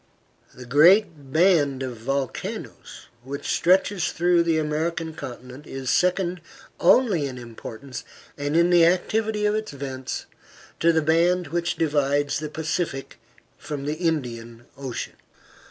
The great band of volcanoes which stretches through the American continent is second only in importance, and in the activity of its vents, to the band which divides the Pacific from the Indian Ocean.